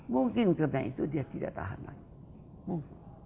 mungkin karena itu dia tidak tahan lagi